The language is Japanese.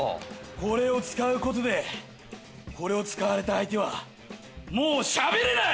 これを使うことでこれを使われた相手はもうしゃべれない。